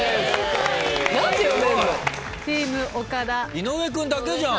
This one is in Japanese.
井上君だけじゃん。